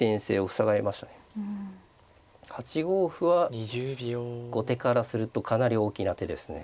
８五歩は後手からするとかなり大きな手ですね。